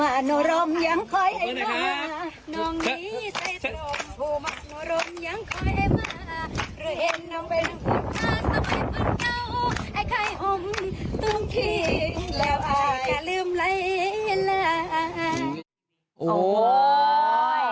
แล้วค่อยค่อยลืมไล่แล้วค่อยลืมไล่แล้วค่อย